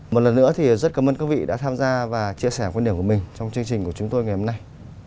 một lần nữa thì rất cảm ơn các vị đã tham gia và chia sẻ quan điểm của mình trong chương trình của chúng tôi ngày hôm nay